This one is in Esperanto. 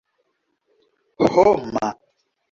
homa